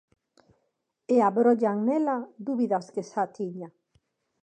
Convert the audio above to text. E abrollan nela dúbidas que xa tiña.